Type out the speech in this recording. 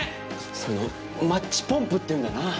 そういうのをマッチポンプって言うんだよな。